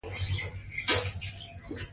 هغوی د سړک پر غاړه د ځلانده پسرلی ننداره وکړه.